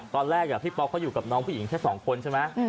ตอนแรกพี่ป๊อกเขาอยู่กับน้องผู้หญิงแค่๒คนใช่ไหม